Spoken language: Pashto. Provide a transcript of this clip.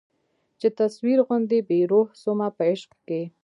چي تصویر غوندي بې روح سومه په عشق کي